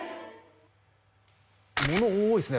物多いですね